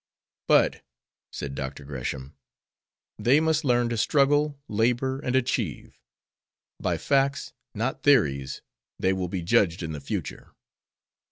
"But," said Dr. Gresham, "they must learn to struggle, labor, and achieve. By facts, not theories, they will be judged in the future.